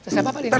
terima kasih pak